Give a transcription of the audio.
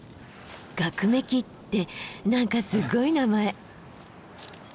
「ガクメキ」って何かすごい名前。